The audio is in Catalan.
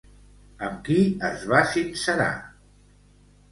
Amb qui es va sincerar?